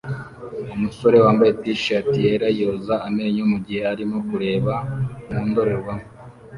Umusore wambaye t-shati yera yoza amenyo mugihe arimo kureba mu ndorerwamo